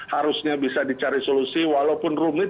harusnya bisa dicari solusi walaupun rumit